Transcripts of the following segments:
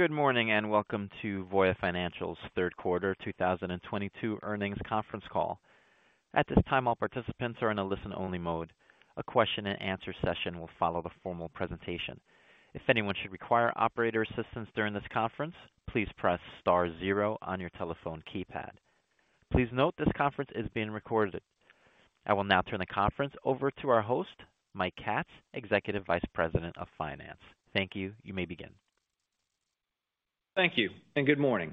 Good morning, and welcome to Voya Financial's third quarter 2022 earnings conference call. At this time, all participants are in a listen-only mode. A question-and-answer session will follow the formal presentation. If anyone should require operator assistance during this conference please press star zero on your telephone keypad. Please note this conference is being recorded. I will now turn the conference over to our host Mike Katz, Executive Vice President of Finance. Thank you. You may begin. Thank you and good morning.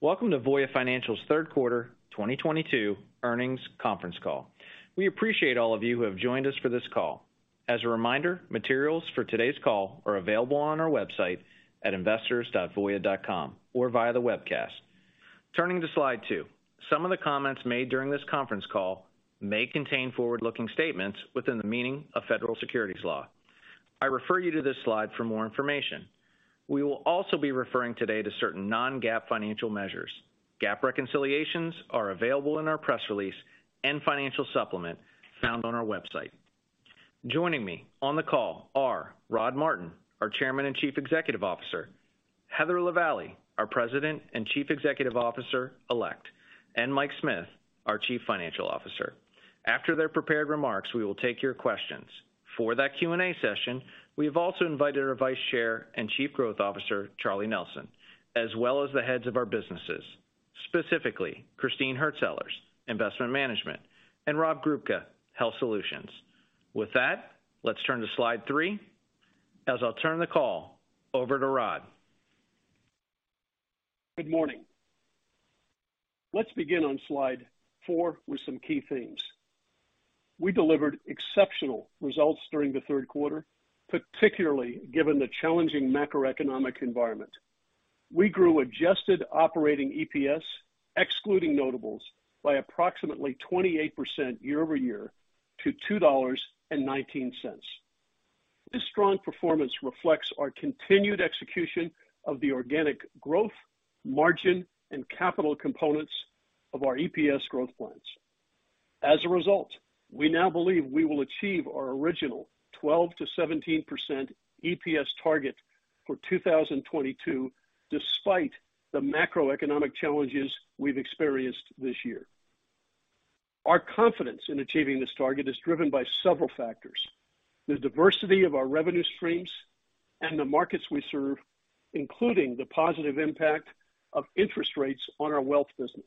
Welcome to Voya Financial's third quarter 2022 earnings conference call. We appreciate all of you who have joined us for this call. As a reminder, materials for today's call are available on our website at investors.voya.com or via the webcast. Turning to slide two. Some of the comments made during this conference call may contain forward-looking statements within the meaning of federal securities law. I refer you to this slide for more information. We will also be referring today to certain non-GAAP financial measures. GAAP reconciliations are available in our press release and financial supplement found on our website. Joining me on the call are Rod Martin, our Chairman and Chief Executive Officer, Heather Lavallee, our President and Chief Executive Officer-Elect, and Mike Smith, our Chief Financial Officer. After their prepared remarks, we will take your questions. For that Q&A session, we have also invited our Vice Chair and Chief Growth Officer, Charlie Nelson, as well as the heads of our businesses, specifically Christine Hurtsellers, Investment Management, and Rob Grubka, Health Solutions. With that, let's turn to slide three and I'll turn the call over to Rod. Good morning. Let's begin on slide four with some key themes. We delivered exceptional results during the third quarter, particularly given the challenging macroeconomic environment. We grew adjusted operating EPS, excluding notables, by approximately 28% year-over-year to $2.19. This strong performance reflects our continued execution of the organic growth, margin, and capital components of our EPS growth plans. As a result, we now believe we will achieve our original 12%-17% EPS target for 2022, despite the macroeconomic challenges we've experienced this year. Our confidence in achieving this target is driven by several factors. The diversity of our revenue streams and the markets we serve, including the positive impact of interest rates on our Wealth business,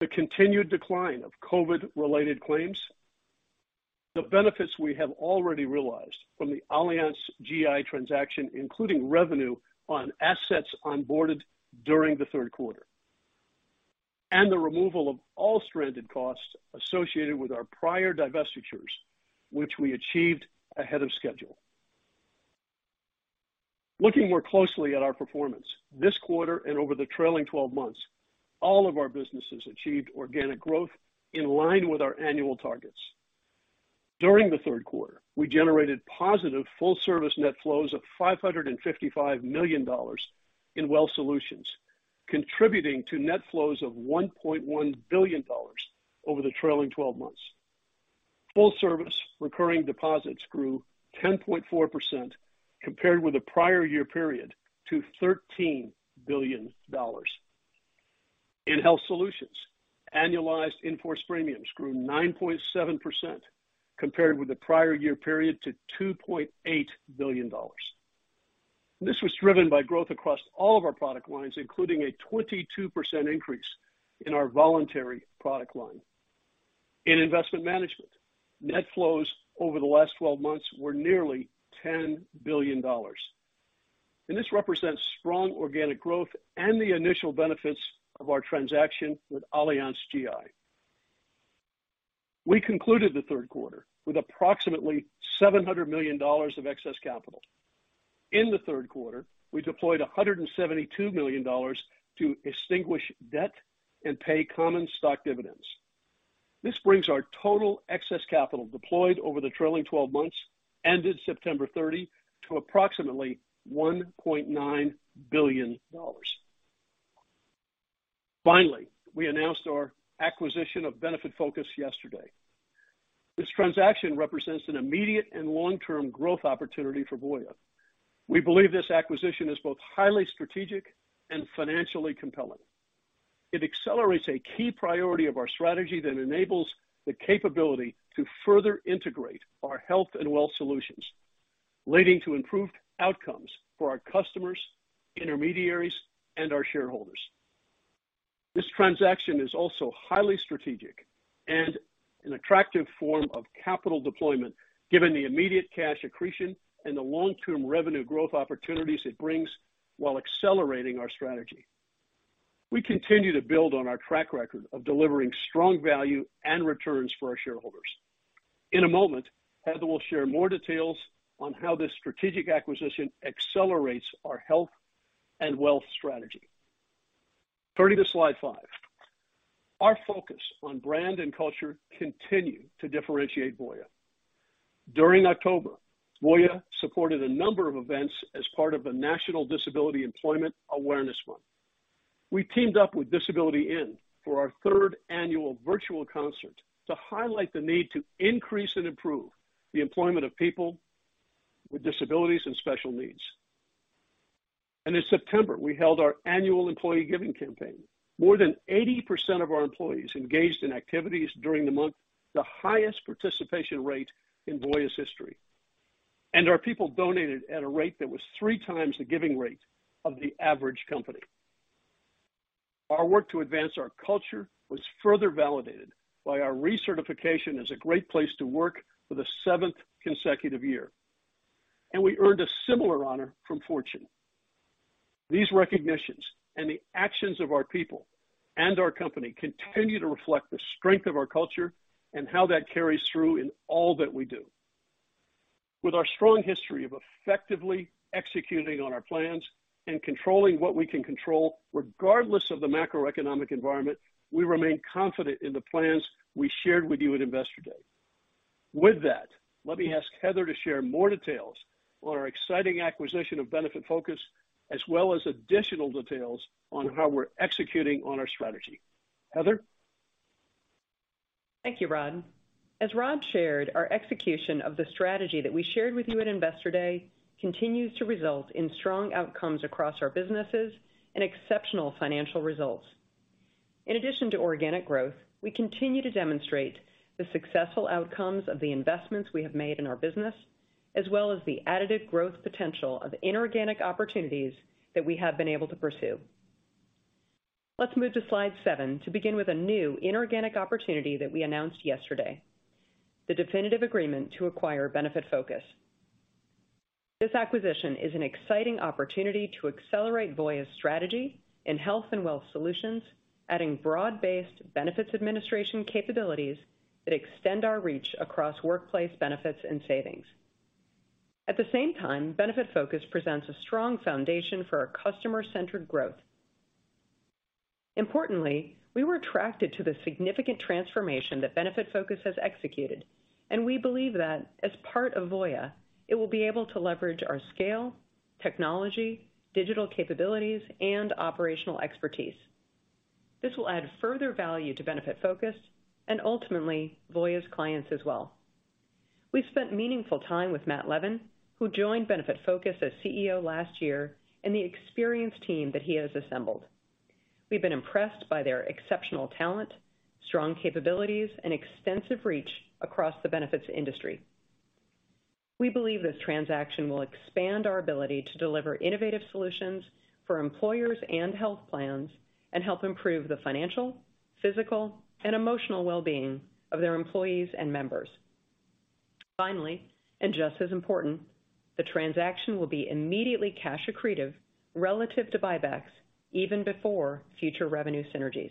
the continued decline of COVID-related claims, the benefits we have already realized from the AllianzGI transaction including revenue on assets onboarded during the third quarter, and the removal of all stranded costs associated with our prior divestitures, which we achieved ahead of schedule. Looking more closely at our performance this quarter and over the trailing 12 months, all of our businesses achieved organic growth in line with our annual targets. During the third quarter, we generated positive full service net flows of $555 million in Wealth Solutions, contributing to net flows of $1.1 billion over the trailing 12 months. Full service recurring deposits grew 10.4% compared with the prior year period to $13 billion. In Health Solutions, annualized in-force premiums grew 9.7% compared with the prior year period to $2.8 billion. This was driven by growth across all of our product lines, including a 22% increase in our voluntary product line. In Investment Management, net flows over the last 12 months were nearly $10 billion, and this represents strong organic growth and the initial benefits of our transaction with AllianzGI. We concluded the third quarter with approximately $700 million of excess capital. In the third quarter, we deployed $172 million to extinguish debt and pay common stock dividends. This brings our total excess capital deployed over the trailing 12 months, ended September 30, to approximately $1.9 billion. Finally, we announced our acquisition of Benefitfocus yesterday. This transaction represents an immediate and long-term growth opportunity for Voya. We believe this acquisition is both highly strategic and financially compelling. It accelerates a key priority of our strategy that enables the capability to further integrate our health and Wealth Solutions, leading to improved outcomes for our customers, intermediaries, and our shareholders. This transaction is also highly strategic and an attractive form of capital deployment, given the immediate cash accretion and the long-term revenue growth opportunities it brings while accelerating our strategy. We continue to build on our track record of delivering strong value and returns for our shareholders. In a moment, Heather will share more details on how this strategic acquisition accelerates our health and wealth strategy. Turning to slide five. Our focus on brand and culture continue to differentiate Voya. During October, Voya supported a number of events as part of National Disability Employment Awareness Month. We teamed up with Disability:IN for our third annual virtual concert to highlight the need to increase and improve the employment of people with disabilities and special needs. In September, we held our annual employee giving campaign. More than 80% of our employees engaged in activities during the month, the highest participation rate in Voya's history. Our people donated at a rate that was three times the giving rate of the average company. Our work to advance our culture was further validated by our recertification as a Great Place to Work for the seventh consecutive year, and we earned a similar honor from Fortune. These recognitions and the actions of our people and our company continue to reflect the strength of our culture and how that carries through in all that we do. With our strong history of effectively executing on our plans and controlling what we can control regardless of the macroeconomic environment, we remain confident in the plans we shared with you at Investor Day. With that, let me ask Heather to share more details on our exciting acquisition of Benefitfocus, as well as additional details on how we're executing on our strategy. Heather? Thank you, Rod. As Rod shared, our execution of the strategy that we shared with you at Investor Day continues to result in strong outcomes across our businesses and exceptional financial results. In addition to organic growth, we continue to demonstrate the successful outcomes of the investments we have made in our business, as well as the additive growth potential of inorganic opportunities that we have been able to pursue. Let's move to slide seven to begin with a new inorganic opportunity that we announced yesterday, the definitive agreement to acquire Benefitfocus. This acquisition is an exciting opportunity to accelerate Voya's strategy in Health and Wealth Solutions, adding broad-based benefits administration capabilities that extend our reach across workplace benefits and savings. At the same time, Benefitfocus presents a strong foundation for our customer-centered growth. Importantly, we were attracted to the significant transformation that Benefitfocus has executed, and we believe that as part of Voya, it will be able to leverage our scale, technology, digital capabilities, and operational expertise. This will add further value to Benefitfocus and ultimately Voya's clients as well. We've spent meaningful time with Matt Levin, who joined Benefitfocus as CEO last year, and the experienced team that he has assembled. We've been impressed by their exceptional talent, strong capabilities, and extensive reach across the benefits industry. We believe this transaction will expand our ability to deliver innovative solutions for employers and health plans and help improve the financial, physical, and emotional well-being of their employees and members. Finally, and just as important, the transaction will be immediately cash accretive relative to buybacks even before future revenue synergies.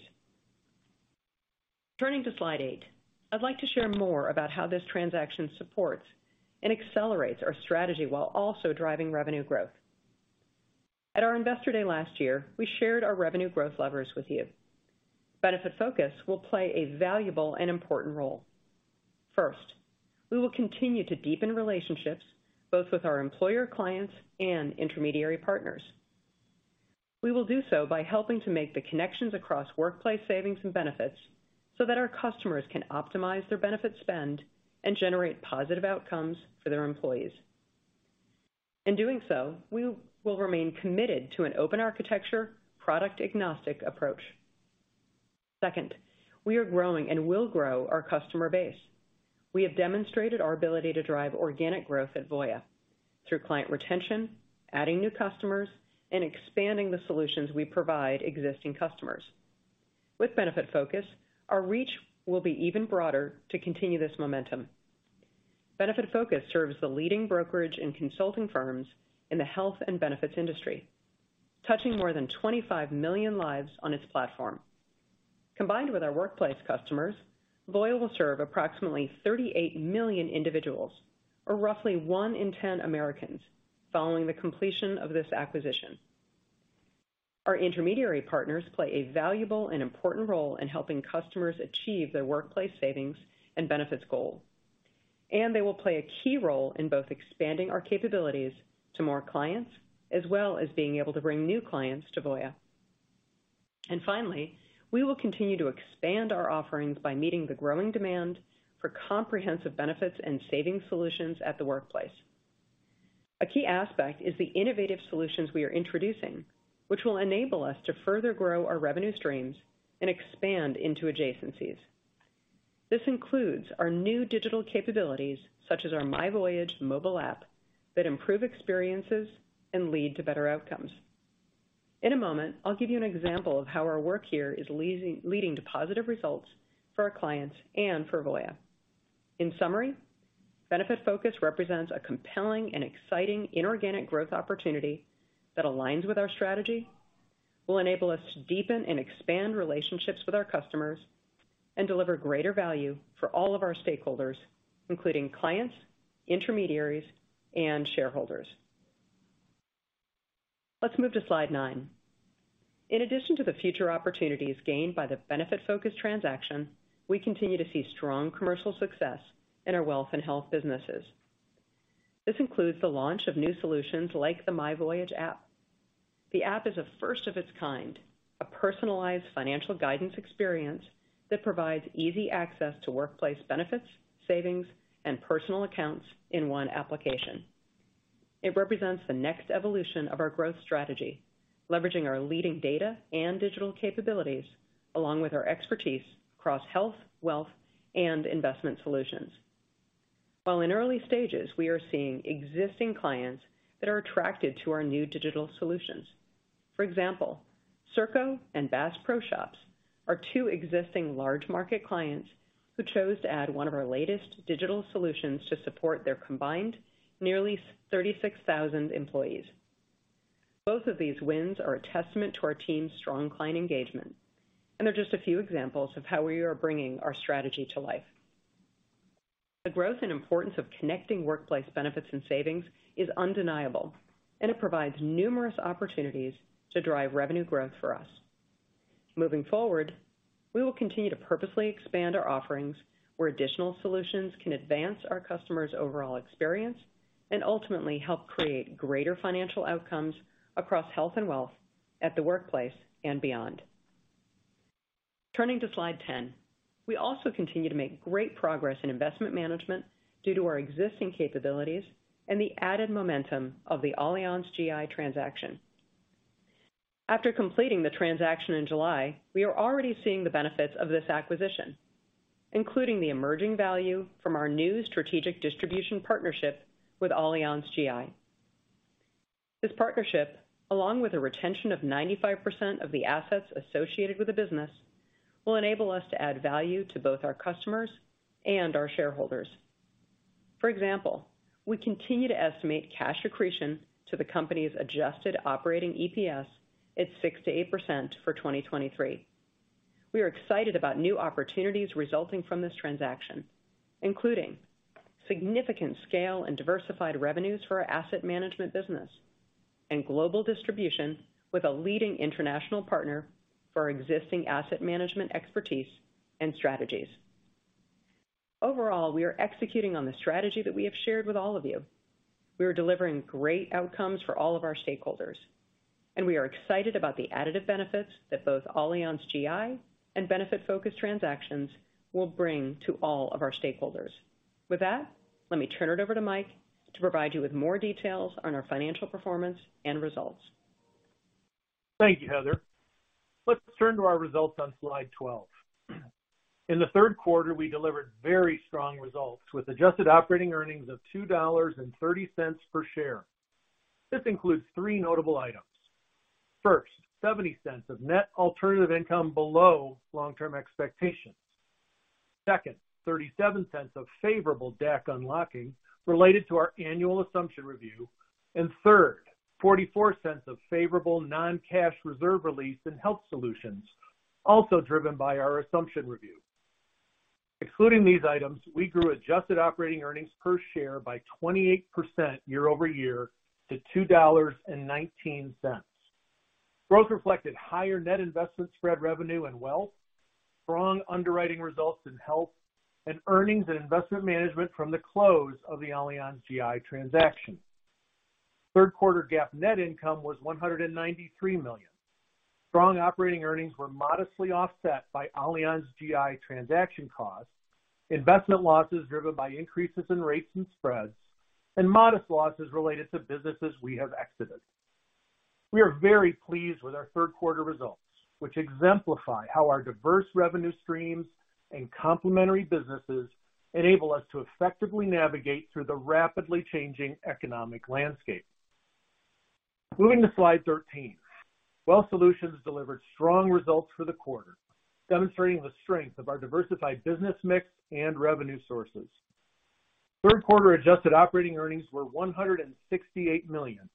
Turning to slide eight, I'd like to share more about how this transaction supports and accelerates our strategy while also driving revenue growth. At our Investor Day last year, we shared our revenue growth levers with you. Benefitfocus will play a valuable and important role. First, we will continue to deepen relationships, both with our employer clients and intermediary partners. We will do so by helping to make the connections across workplace savings and benefits so that our customers can optimize their benefit spend and generate positive outcomes for their employees. In doing so, we will remain committed to an open architecture, product-agnostic approach. Second, we are growing and will grow our customer base. We have demonstrated our ability to drive organic growth at Voya through client retention, adding new customers, and expanding the solutions we provide existing customers. With Benefitfocus, our reach will be even broader to continue this momentum. Benefitfocus serves the leading brokerage and consulting firms in the health and benefits industry, touching more than 25 million lives on its platform. Combined with our workplace customers, Voya will serve approximately 38 million individuals, or roughly one in 10 Americans, following the completion of this acquisition. Our intermediary partners play a valuable and important role in helping customers achieve their workplace savings and benefits goal. They will play a key role in both expanding our capabilities to more clients, as well as being able to bring new clients to Voya. Finally, we will continue to expand our offerings by meeting the growing demand for comprehensive benefits and saving solutions at the workplace. A key aspect is the innovative solutions we are introducing, which will enable us to further grow our revenue streams and expand into adjacencies. This includes our new digital capabilities, such as our myVoyage mobile app, that improve experiences and lead to better outcomes. In a moment, I'll give you an example of how our work here is leading to positive results for our clients and for Voya. In summary, Benefitfocus represents a compelling and exciting inorganic growth opportunity that aligns with our strategy, will enable us to deepen and expand relationships with our customers, and deliver greater value for all of our stakeholders, including clients, intermediaries, and shareholders. Let's move to slide nine. In addition to the future opportunities gained by the Benefitfocus transaction, we continue to see strong commercial success in our wealth and health businesses. This includes the launch of new solutions like the myVoyage app. The app is a first of its kind, a personalized financial guidance experience that provides easy access to workplace benefits, savings, and personal accounts in one application. It represents the next evolution of our growth strategy, leveraging our leading data and digital capabilities, along with our expertise across health, wealth, and investment solutions. While in early stages, we are seeing existing clients that are attracted to our new digital solutions. For example, Serco and Bass Pro Shops are two existing large market clients who chose to add one of our latest digital solutions to support their combined nearly 36,000 employees. Both of these wins are a testament to our team's strong client engagement, and they're just a few examples of how we are bringing our strategy to life. The growth and importance of connecting workplace benefits and savings is undeniable, and it provides numerous opportunities to drive revenue growth for us. Moving forward, we will continue to purposely expand our offerings where additional solutions can advance our customers' overall experience and ultimately help create greater financial outcomes across health and wealth at the workplace and beyond. Turning to slide 10. We also continue to make great progress in Investment Management due to our existing capabilities and the added momentum of the AllianzGI transaction. After completing the transaction in July, we are already seeing the benefits of this acquisition, including the emerging value from our new strategic distribution partnership with AllianzGI. This partnership, along with the retention of 95% of the assets associated with the business, will enable us to add value to both our customers and our shareholders. For example, we continue to estimate cash accretion to the company's adjusted operating EPS at 6%-8% for 2023. We are excited about new opportunities resulting from this transaction, including significant scale and diversified revenues for our asset management business and global distribution with a leading international partner for our existing asset management expertise and strategies. Overall, we are executing on the strategy that we have shared with all of you. We are delivering great outcomes for all of our stakeholders, and we are excited about the additive benefits that both AllianzGI and Benefitfocus transactions will bring to all of our stakeholders. With that, let me turn it over to Mike to provide you with more details on our financial performance and results. Thank you, Heather. Let's turn to our results on slide 12. In the third quarter, we delivered very strong results with adjusted operating earnings of $2.30 per share. This includes three notable items. First, $0.70 of net alternative income below long-term expectations. Second, $0.37 of favorable DAC unlocking related to our annual assumption review. Third, $0.44 of favorable non-cash reserve release in Health Solutions, also driven by our assumption review. Excluding these items, we grew adjusted operating earnings per share by 28% year-over-year to $2.19. Growth reflected higher net investment spread revenue in Wealth, strong underwriting results in Health and earnings in Investment Management from the close of the AllianzGI transaction. Third quarter GAAP net income was $193 million. Strong operating earnings were modestly offset by AllianzGI transaction costs, investment losses driven by increases in rates and spreads, and modest losses related to businesses we have exited. We are very pleased with our third quarter results, which exemplify how our diverse revenue streams and complementary businesses enable us to effectively navigate through the rapidly changing economic landscape. Moving to slide 13. Wealth Solutions delivered strong results for the quarter, demonstrating the strength of our diversified business mix and revenue sources. Third quarter adjusted operating earnings were $168 million.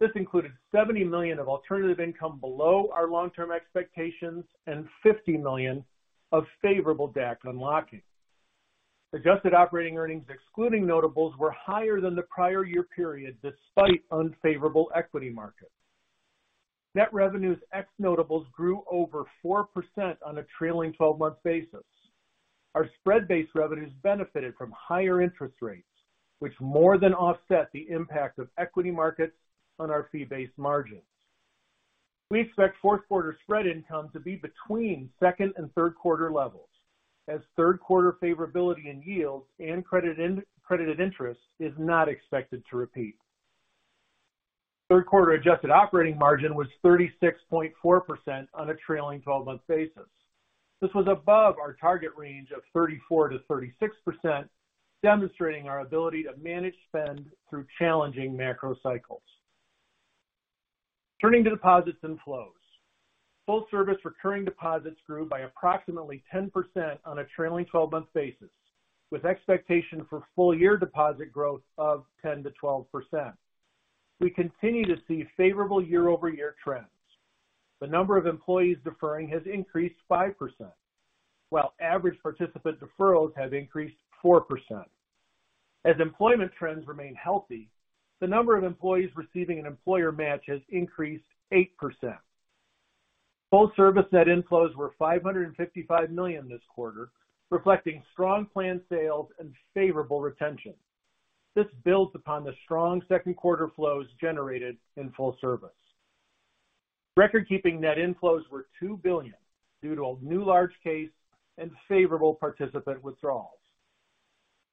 This included $70 million of alternative income below our long-term expectations and $50 million of favorable DAC unlocking. Adjusted operating earnings excluding notables were higher than the prior year period, despite unfavorable equity markets. Net revenues ex notables grew over 4% on a trailing 12-month basis. Our spread-based revenues benefited from higher interest rates, which more than offset the impact of equity markets on our fee-based margins. We expect fourth quarter spread income to be between second and third quarter levels as third quarter favorability in yields and credited interest is not expected to repeat. Third quarter adjusted operating margin was 36.4% on a trailing 12-month basis. This was above our target range of 34%-36%, demonstrating our ability to manage spend through challenging macro cycles. Turning to deposits and flows. Full service recurring deposits grew by approximately 10% on a trailing 12-month basis, with expectation for full year deposit growth of 10%-12%. We continue to see favorable year-over-year trends. The number of employees deferring has increased 5%, while average participant deferrals have increased 4%. As employment trends remain healthy, the number of employees receiving an employer match has increased 8%. Full service net inflows were $555 million this quarter, reflecting strong planned sales and favorable retention. This builds upon the strong second quarter flows generated in full service. Record-keeping net inflows were $2 billion due to a new large case and favorable participant withdrawals.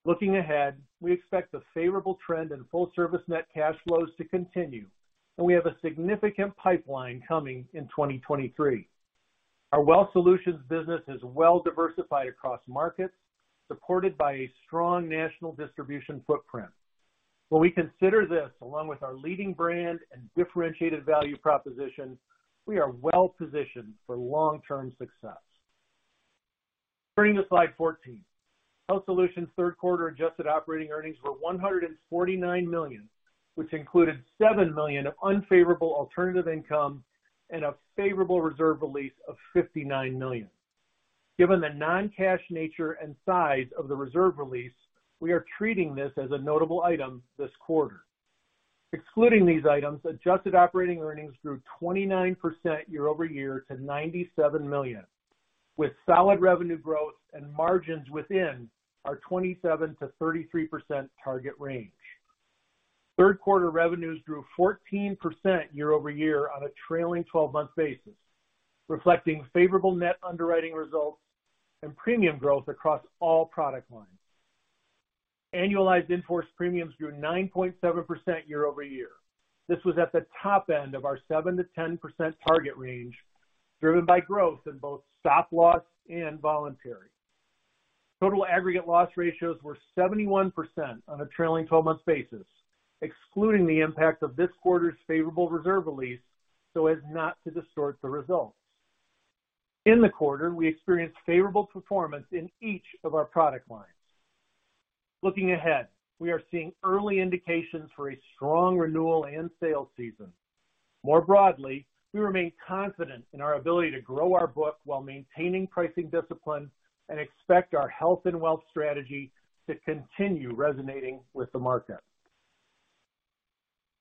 Looking ahead, we expect the favorable trend in full service net cash flows to continue, and we have a significant pipeline coming in 2023. Our Wealth Solutions business is well diversified across markets, supported by a strong national distribution footprint. When we consider this, along with our leading brand and differentiated value proposition, we are well-positioned for long-term success. Turning to slide 14. Health Solutions third quarter adjusted operating earnings were $149 million, which included $7 million of unfavorable alternative income and a favorable reserve release of $59 million. Given the non-cash nature and size of the reserve release, we are treating this as a notable item this quarter. Excluding these items, adjusted operating earnings grew 29% year-over-year to $97 million, with solid revenue growth and margins within our 27%-33% target range. Third quarter revenues grew 14% year-over-year on a trailing 12-month basis, reflecting favorable net underwriting results and premium growth across all product lines. Annualized in-force premiums grew 9.7% year-over-year. This was at the top end of our 7%-10% target range, driven by growth in both stop-loss and voluntary. Total aggregate loss ratios were 71% on a trailing 12-month basis, excluding the impact of this quarter's favorable reserve release, so as not to distort the results. In the quarter, we experienced favorable performance in each of our product lines. Looking ahead, we are seeing early indications for a strong renewal and sales season. More broadly, we remain confident in our ability to grow our book while maintaining pricing discipline and expect our health and wealth strategy to continue resonating with the market.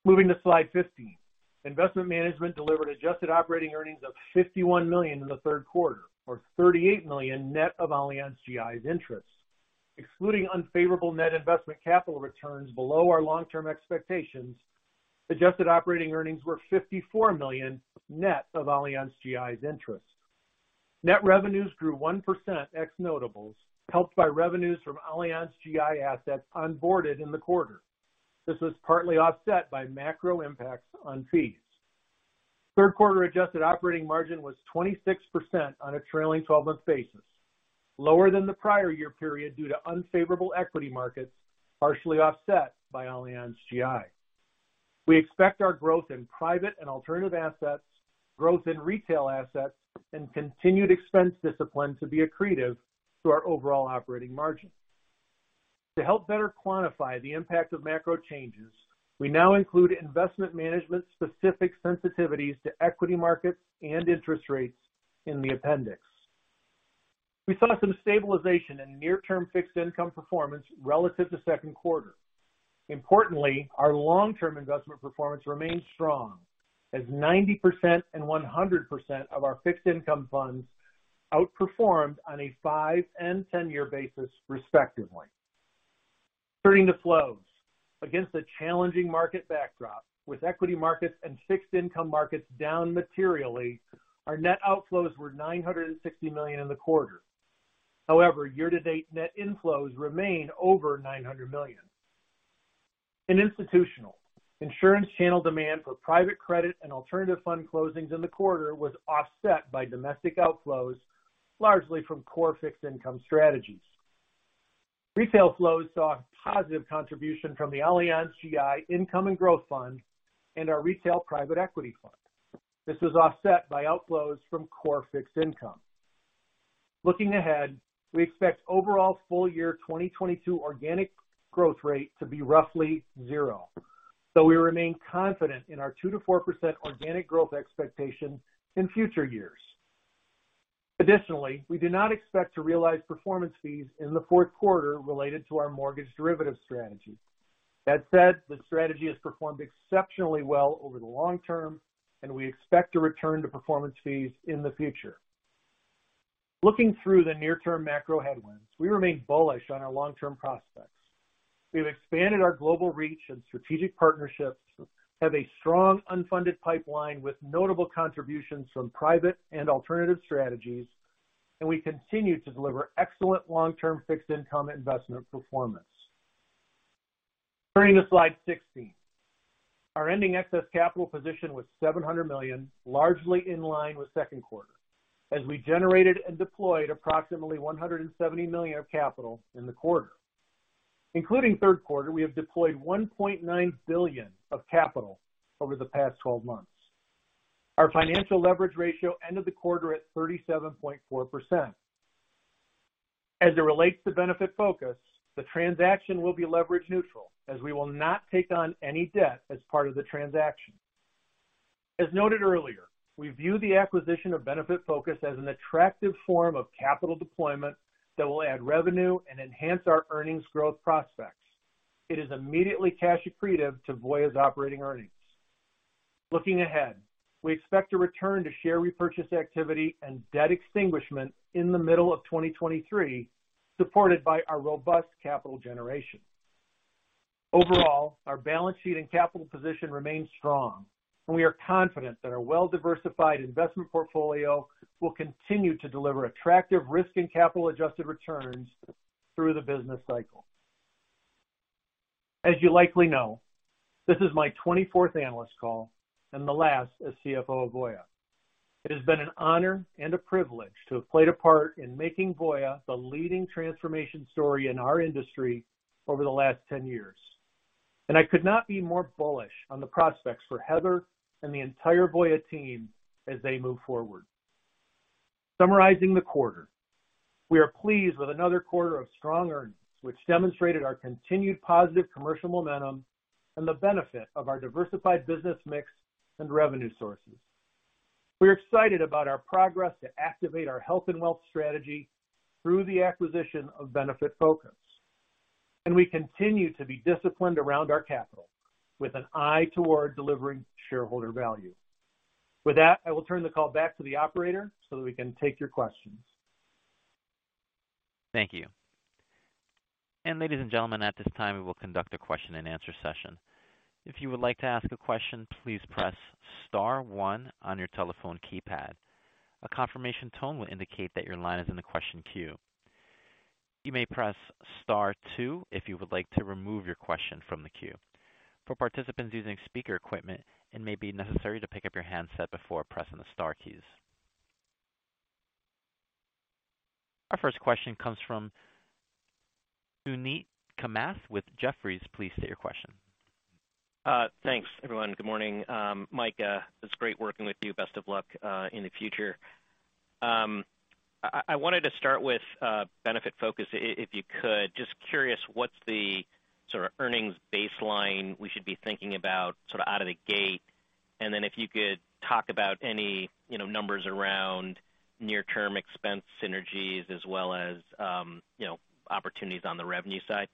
Moving to slide 15. Investment Management delivered adjusted operating earnings of $51 million in the third quarter, or $38 million net of AllianzGI's interest. Excluding unfavorable net investment capital returns below our long-term expectations, adjusted operating earnings were $54 million net of AllianzGI's interest. Net revenues grew 1% ex notables, helped by revenues from AllianzGI assets onboarded in the quarter. This was partly offset by macro impacts on fees. Third quarter adjusted operating margin was 26% on a trailing 12-month basis, lower than the prior year period due to unfavorable equity markets, partially offset by AllianzGI. We expect our growth in private and alternative assets, growth in retail assets, and continued expense discipline to be accretive to our overall operating margin. To help better quantify the impact of macro changes, we now include investment management-specific sensitivities to equity markets and interest rates in the appendix. We saw some stabilization in near-term fixed income performance relative to second quarter. Importantly, our long-term investment performance remains strong, as 90% and 100% of our fixed income funds outperformed on a five- and 10-year basis, respectively. Turning to flows. Against a challenging market backdrop with equity markets and fixed income markets down materially, our net outflows were $960 million in the quarter. However, year-to-date net inflows remain over $900 million. In institutional, insurance channel demand for private credit and alternative fund closings in the quarter was offset by domestic outflows, largely from core fixed income strategies. Retail flows saw a positive contribution from the AllianzGI Income and Growth Fund and our retail private equity fund. This was offset by outflows from core fixed income. Looking ahead, we expect overall full-year 2022 organic growth rate to be roughly 0%. We remain confident in our 2%-4% organic growth expectation in future years. Additionally, we do not expect to realize performance fees in the fourth quarter related to our mortgage derivative strategy. That said, the strategy has performed exceptionally well over the long term, and we expect to return to performance fees in the future. Looking through the near-term macro headwinds, we remain bullish on our long-term prospects. We have expanded our global reach and strategic partnerships, have a strong unfunded pipeline with notable contributions from private and alternative strategies, and we continue to deliver excellent long-term fixed income investment performance. Turning to slide 16. Our ending excess capital position was $700 million, largely in line with second quarter, as we generated and deployed approximately $170 million of capital in the quarter. Including third quarter, we have deployed $1.9 billion of capital over the past 12 months. Our financial leverage ratio ended the quarter at 37.4%. As it relates to Benefitfocus, the transaction will be leverage neutral, as we will not take on any debt as part of the transaction. As noted earlier, we view the acquisition of Benefitfocus as an attractive form of capital deployment that will add revenue and enhance our earnings growth prospects. It is immediately cash accretive to Voya's operating earnings. Looking ahead, we expect to return to share repurchase activity and debt extinguishment in the middle of 2023, supported by our robust capital generation. Overall, our balance sheet and capital position remains strong, and we are confident that our well-diversified investment portfolio will continue to deliver attractive risk and capital adjusted returns through the business cycle. As you likely know, this is my 24th Analyst Call and the last as CFO of Voya. It has been an honor and a privilege to have played a part in making Voya the leading transformation story in our industry over the last 10 years. I could not be more bullish on the prospects for Heather and the entire Voya team as they move forward. Summarizing the quarter, we are pleased with another quarter of strong earnings, which demonstrated our continued positive commercial momentum and the benefit of our diversified business mix and revenue sources. We are excited about our progress to activate our health and wealth strategy through the acquisition of Benefitfocus, and we continue to be disciplined around our capital with an eye toward delivering shareholder value. With that, I will turn the call back to the operator so that we can take your questions. Thank you. Ladies and gentlemen, at this time, we will conduct a question-and-answer session. If you would like to ask a question, please press star one on your telephone keypad. A confirmation tone will indicate that your line is in the question queue. You may press star two if you would like to remove your question from the queue. For participants using speaker equipment, it may be necessary to pick up your handset before pressing the star keys. Our first question comes from Suneet Kamath with Jefferies. Please state your question. Thanks, everyone. Good morning. Mike, it's great working with you. Best of luck in the future. I wanted to start with Benefitfocus if you could. Just curious, what's the sort of earnings baseline we should be thinking about sort of out of the gate? Then if you could talk about any, you know, numbers around near term expense synergies as well as, you know, opportunities on the revenue side.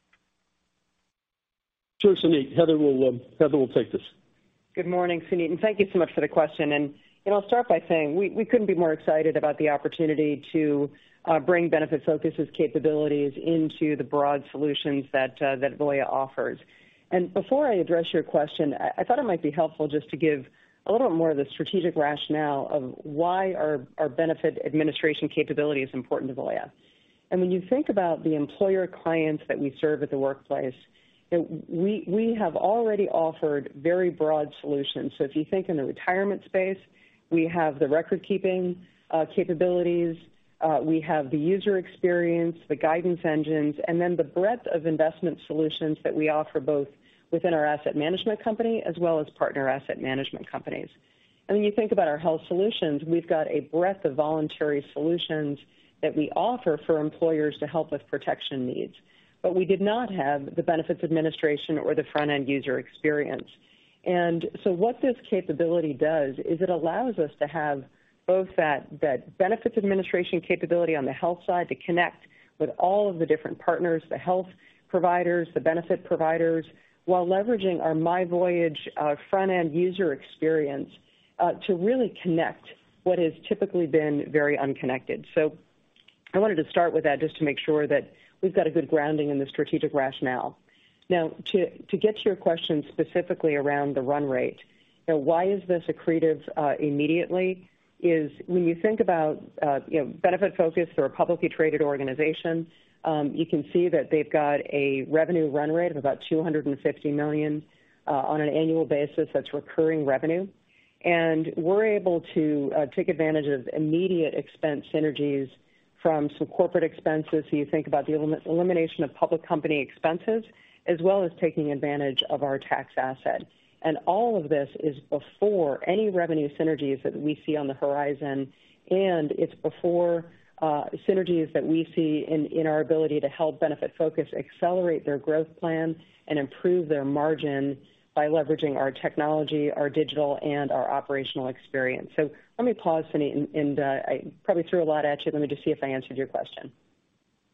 Sure, Suneet. Heather will take this. Good morning, Suneet, and thank you so much for the question. You know, I'll start by saying we couldn't be more excited about the opportunity to bring Benefitfocus' capabilities into the broad solutions that Voya offers. Before I address your question, I thought it might be helpful just to give a little bit more of the strategic rationale of why our benefits administration capability is important to Voya. When you think about the employer clients that we serve at the workplace, we have already offered very broad solutions. If you think in the retirement space, we have the record keeping capabilities, we have the user experience, the guidance engines, and then the breadth of investment solutions that we offer both within our asset management company as well as partner asset management companies. When you think about our Health Solutions, we've got a breadth of voluntary solutions that we offer for employers to help with protection needs. We did not have the benefits administration or the front end user experience. What this capability does is it allows us to have both that benefits administration capability on the health side to connect with all of the different partners, the health providers, the benefit providers, while leveraging our myVoyage front end user experience to really connect what has typically been very unconnected. I wanted to start with that just to make sure that we've got a good grounding in the strategic rationale. Now, to get to your question specifically around the run rate, you know, why is this accretive immediately is when you think about, you know, Benefitfocus or a publicly traded organization, you can see that they've got a revenue run rate of about $250 million on an annual basis. That's recurring revenue. We're able to take advantage of immediate expense synergies from some corporate expenses. You think about the elimination of public company expenses as well as taking advantage of our tax asset. All of this is before any revenue synergies that we see on the horizon, and it's before synergies that we see in our ability to help Benefitfocus accelerate their growth plan and improve their margin by leveraging our technology, our digital, and our operational experience. Let me pause, Suneet, and I probably threw a lot at you. Let me just see if I answered your question.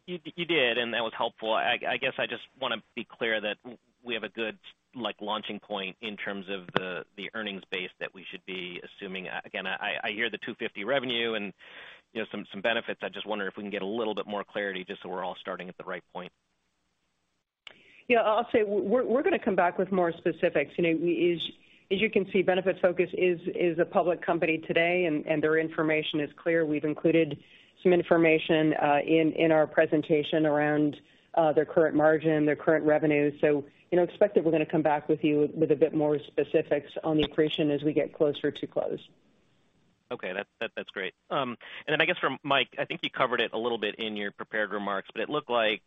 You did, and that was helpful. I guess I just wanna be clear that we have a good, like, launching point in terms of the earnings base that we should be assuming. Again, I hear the $250 revenue and, you know, some benefits. I just wonder if we can get a little bit more clarity just so we're all starting at the right point. Yeah, I'll say we're gonna come back with more specifics. You know, as you can see, Benefitfocus is a public company today, and their information is clear. We've included some information in our presentation around their current margin, their current revenue. You know, expect that we're gonna come back with you with a bit more specifics on the accretion as we get closer to close. That's great. Then I guess from Mike, I think you covered it a little bit in your prepared remarks, but it looked like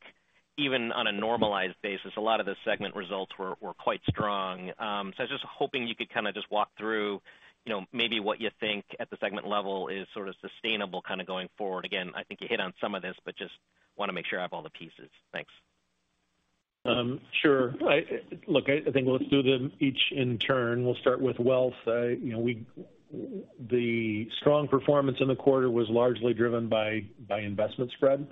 even on a normalized basis, a lot of the segment results were quite strong. I was just hoping you could kind of just walk through, you know, maybe what you think at the segment level is sort of sustainable kind of going forward. Again, I think you hit on some of this, but just wanna make sure I have all the pieces. Thanks. Sure. Look, I think let's do them each in turn. We'll start with wealth. You know, the strong performance in the quarter was largely driven by investment spread.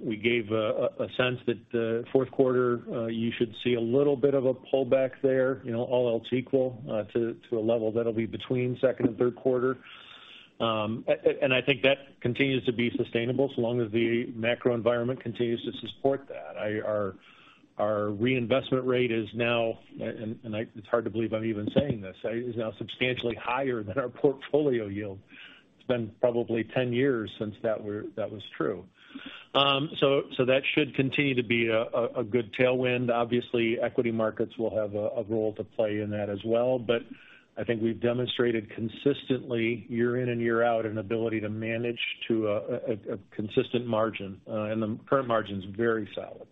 We gave a sense that the fourth quarter, you should see a little bit of a pullback there, you know, all else equal, to a level that'll be between second and third quarter. I think that continues to be sustainable so long as the macro environment continues to support that. Our reinvestment rate is now, and it's hard to believe I'm even saying this, substantially higher than our portfolio yield. It's been probably 10 years since that was true. So that should continue to be a good tailwind. Obviously, equity markets will have a role to play in that as well. I think we've demonstrated consistently, year in and year out, an ability to manage to a consistent margin, and the current margin's very solid.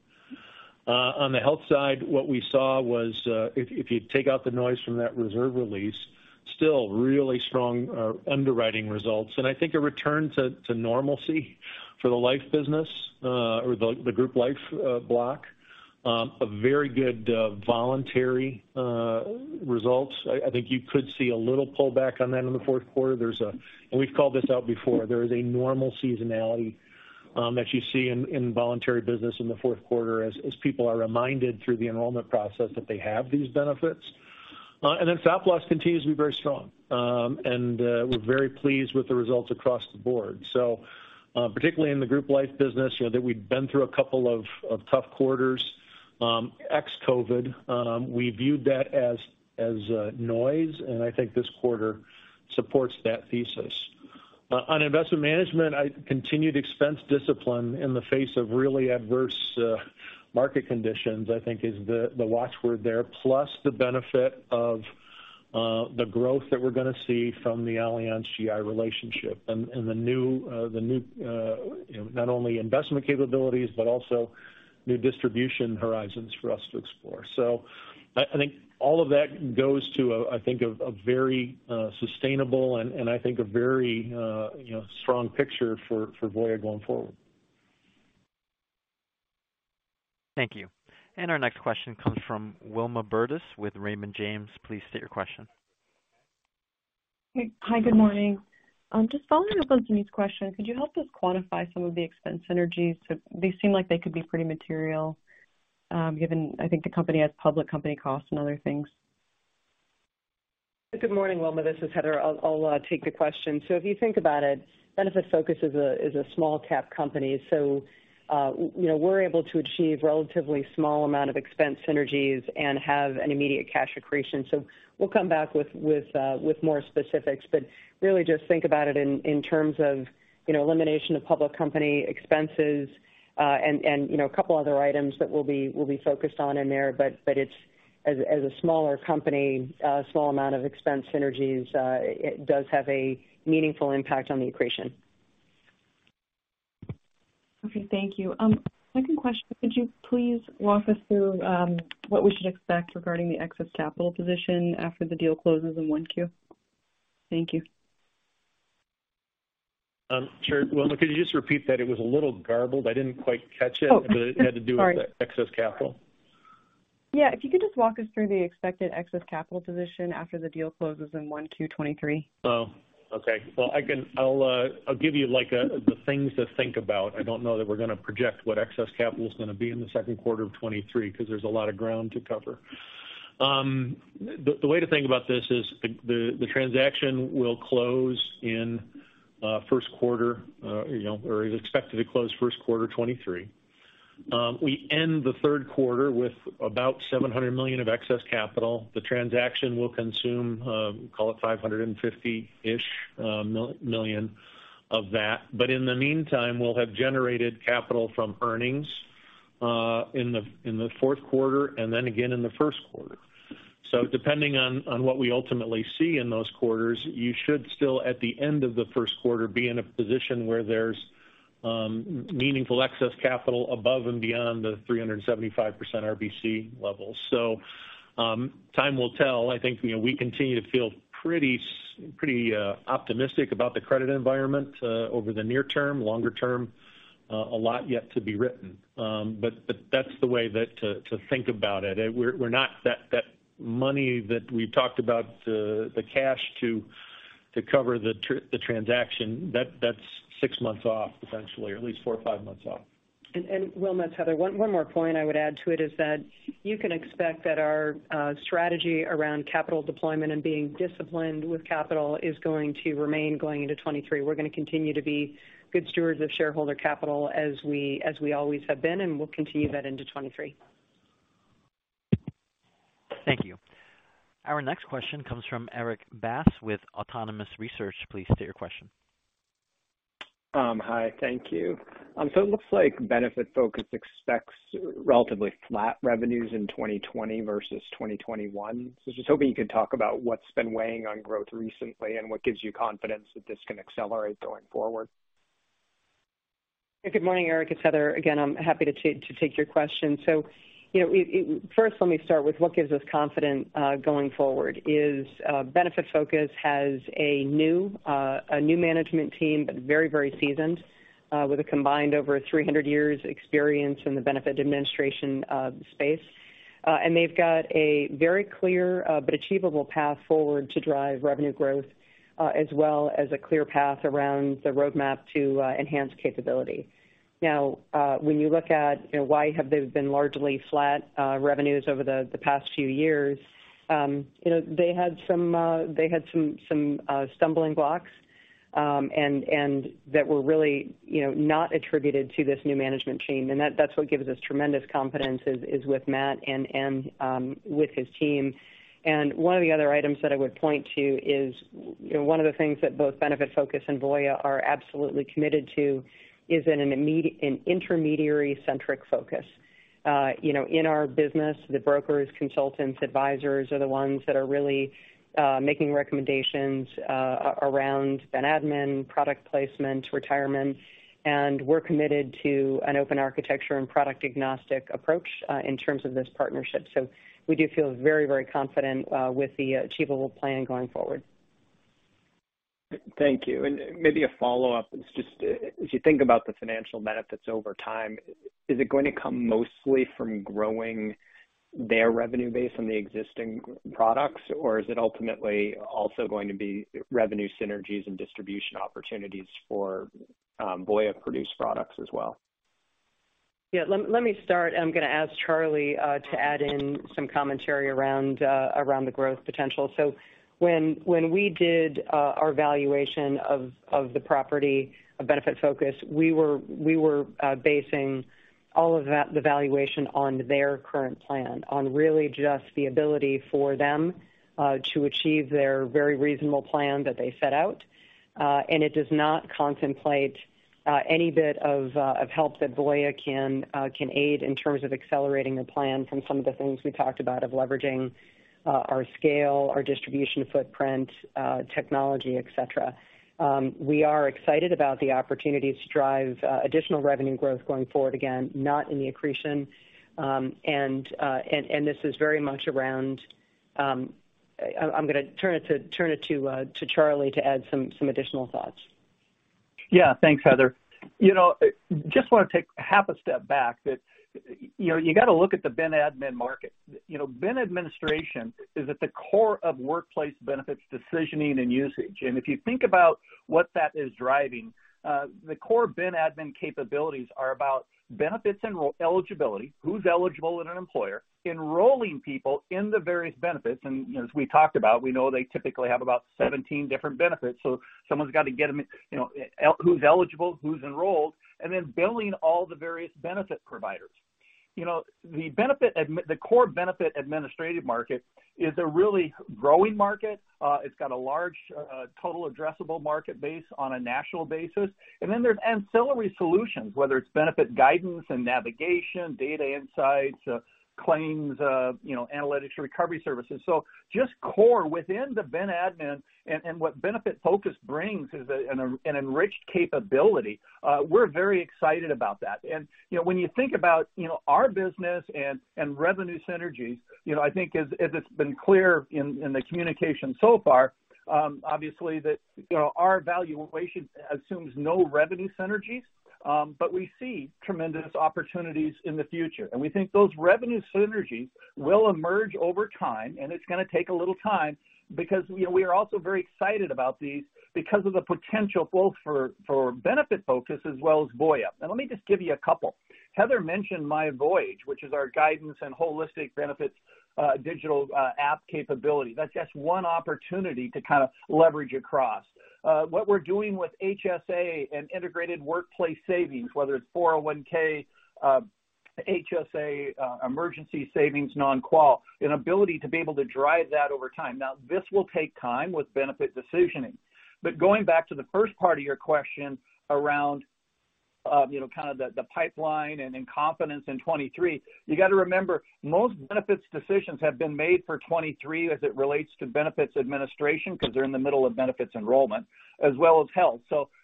On the health side, what we saw was, if you take out the noise from that reserve release, still really strong underwriting results. I think a return to normalcy for the life business, or the group life block, a very good voluntary results. I think you could see a little pullback on that in the fourth quarter. We've called this out before, there is a normal seasonality that you see in voluntary business in the fourth quarter as people are reminded through the enrollment process that they have these benefits. Stop-loss continues to be very strong. We're very pleased with the results across the board. Particularly in the group life business, you know, that we'd been through a couple of tough quarters, ex-COVID, we viewed that as noise, and I think this quarter supports that thesis. On Investment Management, continued expense discipline in the face of really adverse market conditions, I think, is the watch word there. Plus the benefit of the growth that we're gonna see from the Allianz GI relationship and the new, you know, not only investment capabilities but also new distribution horizons for us to explore. I think all of that goes to a, I think, a very sustainable and I think a very, you know, strong picture for Voya going forward. Thank you. Our next question comes from Wilma Burdis with Raymond James. Please state your question. Hi, good morning. Just following up on Suneet's question, could you help us quantify some of the expense synergies? They seem like they could be pretty material, given I think the company has public company costs and other things. Good morning, Wilma, this is Heather. I'll take the question. If you think about it, Benefitfocus is a small cap company. You know, we're able to achieve relatively small amount of expense synergies and have an immediate cash accretion. We'll come back with more specifics. Really just think about it in terms of, you know, elimination of public company expenses, and, you know, a couple other items that we'll be focused on in there. It's, as a smaller company, small amount of expense synergies. It does have a meaningful impact on the accretion. Okay, thank you. Second question, could you please walk us through what we should expect regarding the excess capital position after the deal closes in 1Q? Thank you. Sure. Wilma, could you just repeat that? It was a little garbled. I didn't quite catch it. Oh. Sorry. It had to do with the excess capital. Yeah. If you could just walk us through the expected excess capital position after the deal closes in 1Q 2023? Oh, okay. Well, I'll give you like the things to think about. I don't know that we're gonna project what excess capital is gonna be in the second quarter of 2023, because there's a lot of ground to cover. The way to think about this is the transaction will close in first quarter, you know, or is expected to close first quarter 2023. We end the third quarter with about $700 million of excess capital. The transaction will consume call it $550 million-ish of that. In the meantime, we'll have generated capital from earnings in the fourth quarter and then again in the first quarter. Depending on what we ultimately see in those quarters, you should still, at the end of the first quarter, be in a position where there's meaningful excess capital above and beyond the 375% RBC level. Time will tell. I think, you know, we continue to feel pretty optimistic about the credit environment over the near term. Longer term, a lot yet to be written. But that's the way to think about it. We're not that money that we talked about, the cash to cover the transaction, that's six months off, essentially, or at least four or five months off. Wilma, it's Heather. One more point I would add to it is that you can expect that our strategy around capital deployment and being disciplined with capital is going to remain going into 2023. We're gonna continue to be good stewards of shareholder capital as we always have been, and we'll continue that into 2023. Thank you. Our next question comes from Erik Bass with Autonomous Research. Please state your question. Hi. Thank you. It looks like Benefitfocus expects relatively flat revenues in 2020 versus 2021. I was just hoping you could talk about what's been weighing on growth recently and what gives you confidence that this can accelerate going forward. Good morning, Eric, it's Heather again. I'm happy to take your question. First, let me start with what gives us confidence going forward is Benefitfocus has a new management team, but very, very seasoned, with a combined over 300 years experience in the benefits administration space. They've got a very clear but achievable path forward to drive revenue growth, as well as a clear path around the roadmap to enhance capability. Now, when you look at why have they been largely flat revenues over the past few years, you know, they had some stumbling blocks, and that were really, you know, not attributed to this new management team. That's what gives us tremendous confidence is with Matt and with his team. One of the other items that I would point to is, you know, one of the things that both Benefitfocus and Voya are absolutely committed to is an intermediary-centric focus. You know, in our business, the brokers, consultants, advisors are the ones that are really making recommendations around ben admin, product placement, retirement. We're committed to an open architecture and product-agnostic approach in terms of this partnership. We do feel very, very confident with the achievable plan going forward. Thank you. Maybe a follow-up is just, as you think about the financial benefits over time, is it going to come mostly from growing their revenue base on the existing products, or is it ultimately also going to be revenue synergies and distribution opportunities for Voya-produced products as well? Yeah. Let me start. I'm going to ask Charlie to add in some commentary around the growth potential. When we did our valuation of the property of Benefitfocus, we were basing all of that, the valuation on their current plan, on really just the ability for them to achieve their very reasonable plan that they set out. It does not contemplate any bit of help that Voya can aid in terms of accelerating the plan from some of the things we talked about of leveraging our scale, our distribution footprint, technology, et cetera. We are excited about the opportunity to drive additional revenue growth going forward, again, not in the accretion. This is very much around. I'm gonna turn it to Charlie to add some additional thoughts. Yeah. Thanks, Heather. You know, just want to take half a step back that, you know, you got to look at the ben admin market. You know, ben administration is at the core of workplace benefits decisioning and usage. If you think about what that is driving, the core ben admin capabilities are about benefits enrollment eligibility, who's eligible in an employer, enrolling people in the various benefits. As we talked about, we know they typically have about 17 different benefits. Someone's got to get them, you know, who's eligible, who's enrolled, and then billing all the various benefit providers. You know, the core benefit administrative market is a really growing market. It's got a large total addressable market based on a national basis. There's ancillary solutions, whether it's benefit guidance and navigation, data insights, claims, you know, analytics, recovery services. Just core within the ben admin and what Benefitfocus brings is an enriched capability. We're very excited about that. You know, when you think about, you know, our business and revenue synergy, you know, I think as it's been clear in the communication so far, obviously that, you know, our valuation assumes no revenue synergies, but we see tremendous opportunities in the future. We think those revenue synergies will emerge over time, and it's going to take a little time because, you know, we are also very excited about these because of the potential both for Benefitfocus as well as Voya. Let me just give you a couple. Heather mentioned myVoyage, which is our guidance and holistic benefits, digital app capability. That's just one opportunity to kind of leverage across. What we're doing with HSA and integrated workplace savings, whether it's 401K, HSA, emergency savings non-qual, an ability to be able to drive that over time. Now, this will take time with benefit decisioning. Going back to the first part of your question around, you know, kind of the pipeline and confidence in 2023, you got to remember, most benefits decisions have been made for 2023 as it relates to benefits administration because they're in the middle of benefits enrollment as well as health.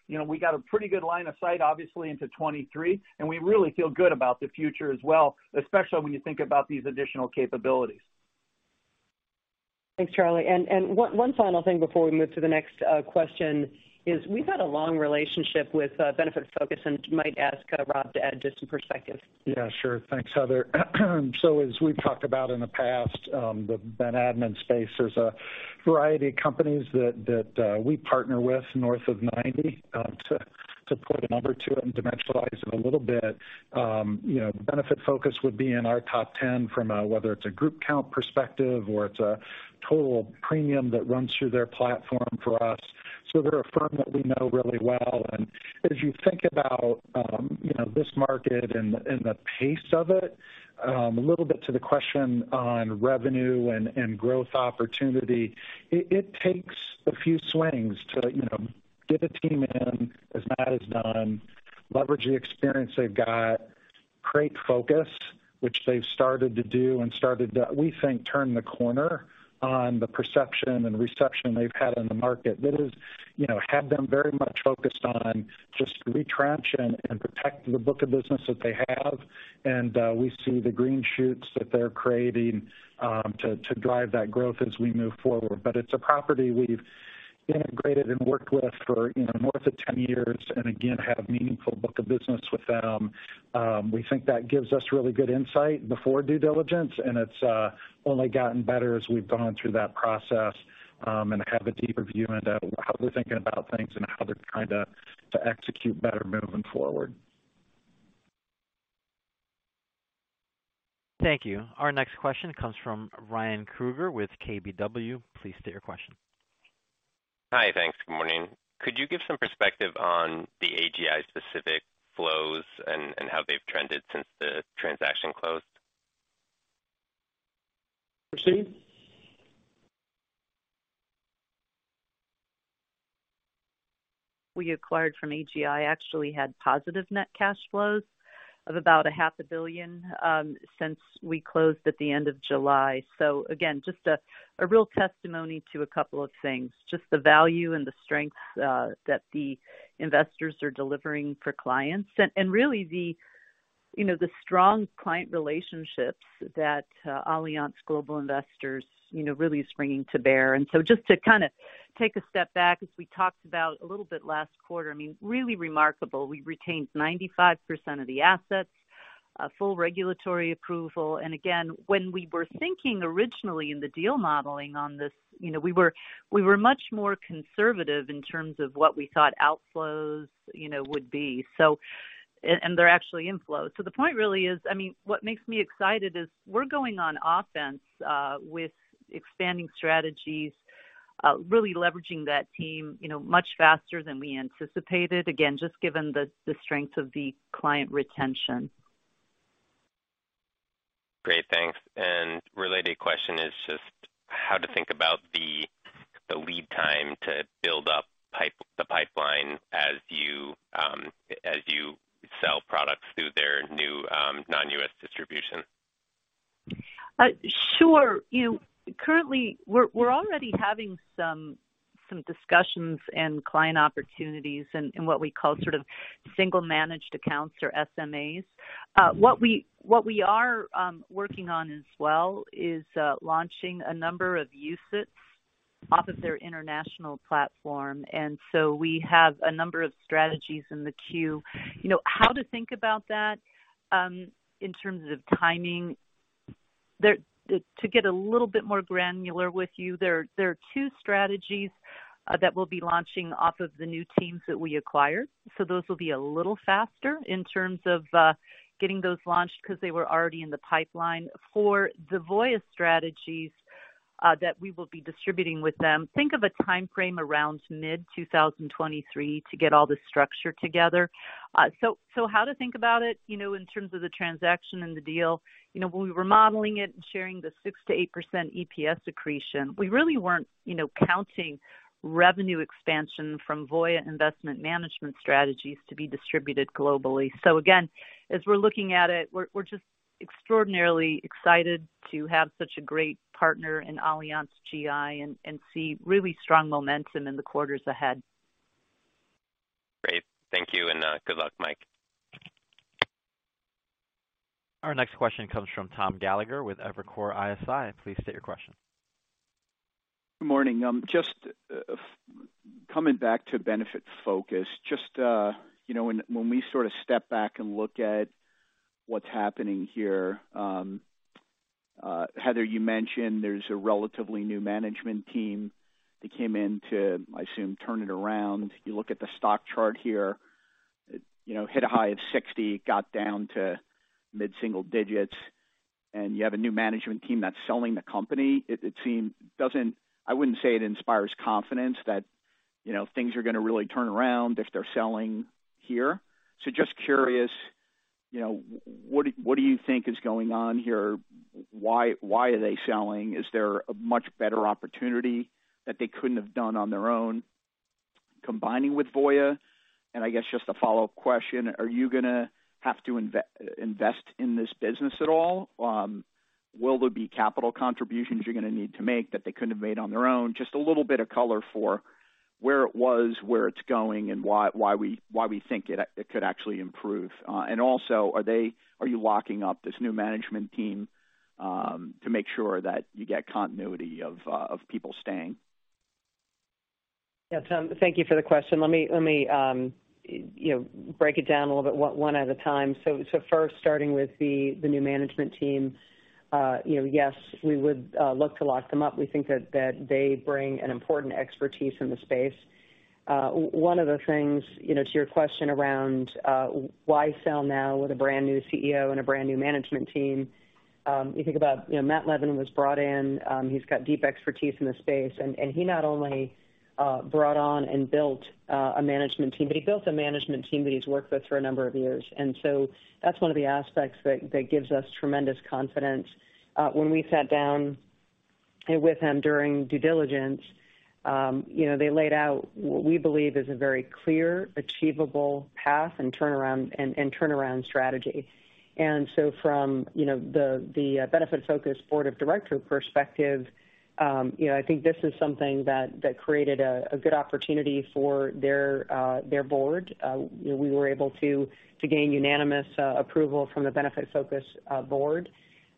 You know, we got a pretty good line of sight, obviously, into 2023, and we really feel good about the future as well, especially when you think about these additional capabilities. Thanks, Charlie. One final thing before we move to the next question is we've had a long relationship with Benefitfocus, and might ask Rob to add just some perspective. Yeah, sure. Thanks, Heather. As we've talked about in the past, the ben admin space, there's a variety of companies that we partner with north of 90, to put a number to it and dimensionalize it a little bit. You know, Benefitfocus would be in our top 10 from whether it's a group count perspective or it's a total premium that runs through their platform for us. They're a firm that we know really well. As you think about, you know, this market and the pace of it, a little bit to the question on revenue and growth opportunity, it takes a few swings to, you know, get a team in as Matt has done, leverage the experience they've got, create focus, which they've started to do and started to, we think, turn the corner on the perception and reception they've had in the market that has, you know, had them very much focused on just retrench and protect the book of business that they have. We see the green shoots that they're creating to drive that growth as we move forward. It's a property we've integrated and worked with for, you know, more than 10 years and again, have meaningful book of business with them. We think that gives us really good insight before due diligence, and it's only gotten better as we've gone through that process, and have a deeper view into how they're thinking about things and how they're trying to execute better moving forward. Thank you. Our next question comes from Ryan Krueger with KBW. Please state your question. Hi. Thanks. Good morning. Could you give some perspective on the AGI specific flows and how they've trended since the transaction closed? Christine? We acquired from AGI actually had positive net cash flows of about half a billion since we closed at the end of July. Just a real testimony to a couple of things. Just the value and the strengths that the investors are delivering for clients. Really the, you know, the strong client relationships that Allianz Global Investors, you know, really is bringing to bear. Just to kind of take a step back, as we talked about a little bit last quarter, I mean, really remarkable. We retained 95% of the assets, full regulatory approval. Again, when we were thinking originally in the deal modeling on this, you know, we were much more conservative in terms of what we thought outflows, you know, would be. They're actually inflows. The point really is, I mean, what makes me excited is we're going on offense, with expanding strategies, really leveraging that team, you know, much faster than we anticipated. Again, just given the strength of the client retention. Great. Thanks. Related question is just how to think about the lead time to build up the pipeline as you sell products through their new non-U.S. distribution. Sure. You know, currently we're already having some discussions and client opportunities in what we call sort of separately managed accounts or SMAs. What we are working on as well is launching a number of UCITS off of their international platform. We have a number of strategies in the queue. You know, how to think about that in terms of timing. To get a little bit more granular with you, there are two strategies that we'll be launching off of the new teams that we acquired. Those will be a little faster in terms of getting those launched because they were already in the pipeline. For the Voya strategies that we will be distributing with them, think of a timeframe around mid-2023 to get all the structure together. How to think about it, you know, in terms of the transaction and the deal. You know, when we were modeling it and sharing the 6%-8% EPS accretion, we really weren't, you know, counting revenue expansion from Voya Investment Management strategies to be distributed globally. Again, as we're looking at it, we're just extraordinarily excited to have such a great partner in AllianzGI and see really strong momentum in the quarters ahead. Great. Thank you. Good luck, Mike. Our next question comes from Thomas Gallagher with Evercore ISI. Please state your question. Good morning. Just coming back to Benefitfocus, just you know, when we sort of step back and look at what's happening here, Heather, you mentioned there's a relatively new management team that came in to, I assume, turn it around. You look at the stock chart here, you know, hit a high of 60, got down to mid-single digits, and you have a new management team that's selling the company. I wouldn't say it inspires confidence that, you know, things are going to really turn around if they're selling here. Just curious, you know, what do you think is going on here? Why are they selling? Is there a much better opportunity that they couldn't have done on their own combining with Voya? And I guess just a follow-up question. Are you going to have to invest in this business at all? Will there be capital contributions you're going to need to make that they couldn't have made on their own? Just a little bit of color for where it was, where it's going, and why we think it could actually improve. Also, are you locking up this new management team to make sure that you get continuity of people staying? Yeah. Tom, thank you for the question. Let me, you know, break it down a little bit, one at a time. First, starting with the new management team. You know, yes, we would look to lock them up. We think that they bring an important expertise in the space. One of the things, you know, to your question around, why sell now with a brand new CEO and a brand new management team, you think about, you know, Matthew Levin was brought in. He's got deep expertise in the space. and he not only brought on and built a management team, but he built a management team that he's worked with for a number of years. That's one of the aspects that gives us tremendous confidence. When we sat down and with him during due diligence, you know, they laid out what we believe is a very clear, achievable path and turnaround strategy. From you know, the Benefitfocus board of director perspective, you know, I think this is something that created a good opportunity for their board. We were able to gain unanimous approval from the Benefitfocus board.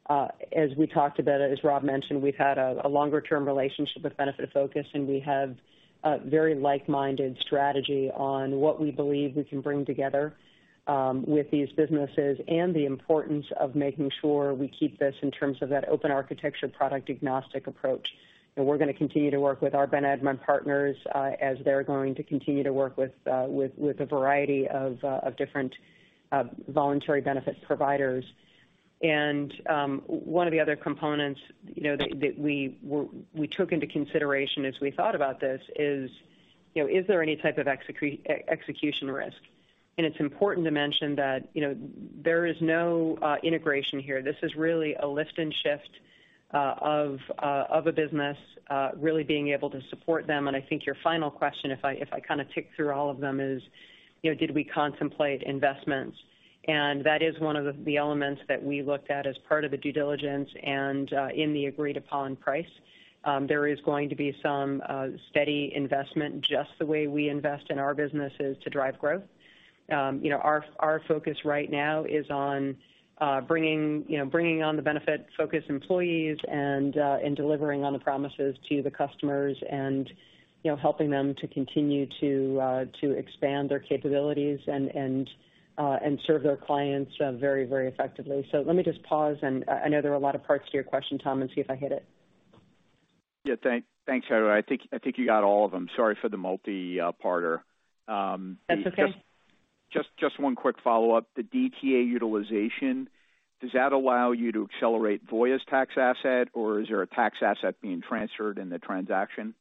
As we talked about, as Rob mentioned, we've had a longer-term relationship with Benefitfocus, and we have a very like-minded strategy on what we believe we can bring together with these businesses and the importance of making sure we keep this in terms of that open architecture product agnostic approach. We're gonna continue to work with our ben admin partners, as they're going to continue to work with a variety of different voluntary benefits providers. One of the other components, you know, that we took into consideration as we thought about this is, you know, is there any type of execution risk? It's important to mention that, you know, there is no integration here. This is really a lift and shift of a business really being able to support them. I think your final question, if I kind of tick through all of them, is, you know, did we contemplate investments? That is one of the elements that we looked at as part of the due diligence and in the agreed upon price. There is going to be some steady investment just the way we invest in our businesses to drive growth. You know, our focus right now is on bringing on the Benefitfocus employees and delivering on the promises to the customers and, you know, helping them to continue to expand their capabilities and serve their clients very effectively. Let me just pause, and I know there are a lot of parts to your question, Tom, and see if I hit it. Yeah. Thanks, Heather. I think you got all of them. Sorry for the multi-parter. That's okay. Just one quick follow-up. The DTA utilization, does that allow you to accelerate Voya's tax asset, or is there a tax asset being transferred in the transaction?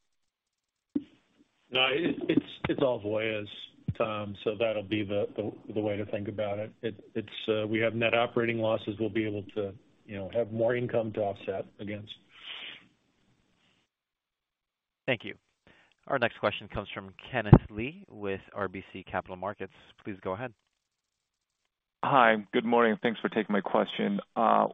No, it's all Voya's, Tom, so that'll be the way to think about it. We have net operating losses we'll be able to, you know, have more income to offset against. Thank you. Our next question comes from Kenneth Lee with RBC Capital Markets. Please go ahead. Hi, good morning. Thanks for taking my question.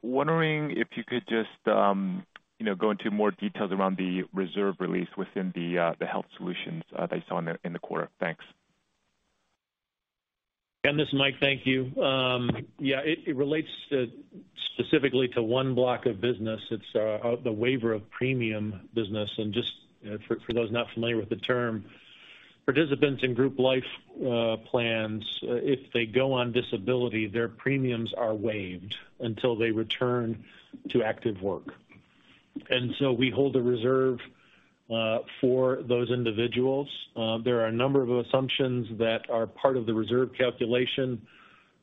Wondering if you could just, you know, go into more details around the reserve release within the Health Solutions that you saw in the quarter. Thanks. Kenneth, Mike, thank you. It relates to specifically one block of business. It's the waiver of premium business. Just for those not familiar with the term, participants in group life plans, if they go on disability, their premiums are waived until they return to active work. We hold a reserve for those individuals. There are a number of assumptions that are part of the reserve calculation,